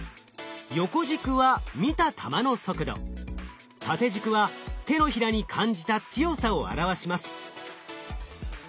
横軸は見た球の速度縦軸は手のひらに感じた強さを表します。